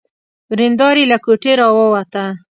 ورېندار يې له کوټې را ووته.